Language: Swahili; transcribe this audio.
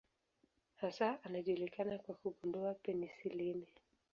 Hasa anajulikana kwa kugundua penisilini.